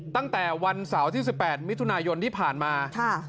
ตั้งแต่วันเสาร์ที่๑๘มิถุนายนที่ผ่านมา